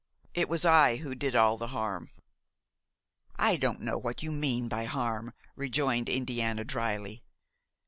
It was I who did all the harm." "I don't know what you mean by harm!" rejoined Indiana, dryly.